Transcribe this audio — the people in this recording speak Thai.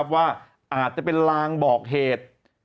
ว่าอาจจะเป็นลางบอกเหตุ